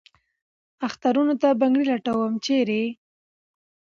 اخترونو ته بنګړي لټوم ، چېرې ؟